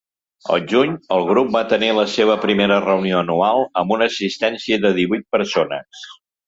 Al juny, el grup va tenir la seva primera reunió anual amb una assistència de divuit persones.